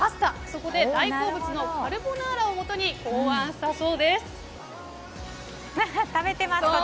そこで大好物のカルボナーラをもとに考案したそうです。